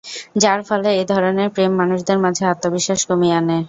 যার ফলে এই ধরনের প্রেম মানুষদের মাঝে আত্মবিশ্বাস কমিয়ে আনে।